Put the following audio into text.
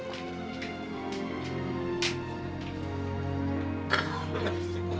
biar kita tau penyakit bapak apa